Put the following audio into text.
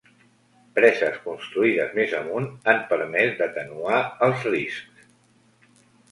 Preses construïdes més amunt han permès d'atenuar els riscs.